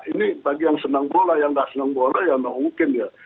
ini bagi yang senang bola yang tidak senang bola ya mungkin ya